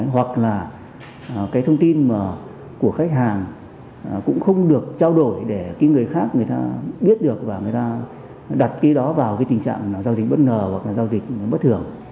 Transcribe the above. hoặc là cái thông tin của khách hàng cũng không được trao đổi để cái người khác người ta biết được và người ta đặt cái đó vào cái tình trạng giao dịch bất ngờ hoặc là giao dịch bất thường